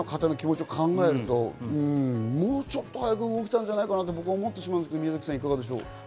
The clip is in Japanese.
被害者の方の気持ちを考えると、もうちょっと早く動けたんじゃないかなと思ってしまうんですけど、宮崎さん、いかがですか？